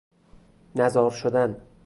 نزار شدن